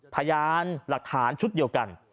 พยานหลักฐานชุดเดียวกัน